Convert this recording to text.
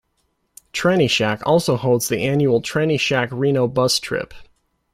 Trannyshack also holds the annual Trannyshack Reno bus trip.